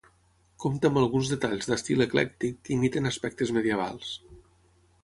Compta amb alguns detalls d'estil eclèctic que imiten aspectes medievals.